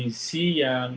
ini masih cukup tinggi